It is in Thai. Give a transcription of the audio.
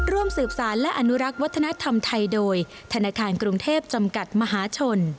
ร่วมสืบสารและอนุรักษ์วัฒนธรรมไทยโดยธนาคารกรุงเทพจำกัดมหาชน